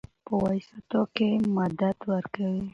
پۀ ويستو کښې مدد ورکوي